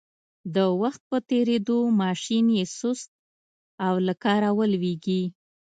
د وخت په تېرېدو ماشین یې سست او له کاره لویږي.